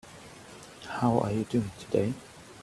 How are you doing today?